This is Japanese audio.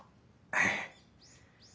はい。